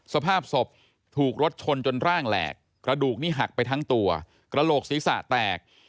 สภาพศพถูกรถชนจนร่างแหลกกระดูกนี้หักไปทั้งตัวกระโหลกศีรษะแตก